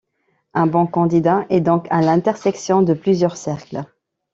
Un bon candidat est donc à l'intersection de plusieurs cercles.